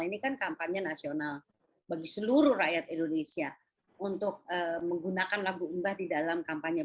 ini kan kampanye nasional bagi seluruh rakyat indonesia untuk menggunakan lagu umbah di dalam kampanye